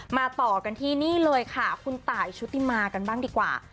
ต่อกันที่นี่เลยค่ะคุณตายชุติมากันบ้างดีกว่า